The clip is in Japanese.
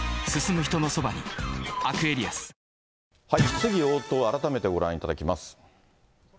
質疑応答を改めてご覧いただきます。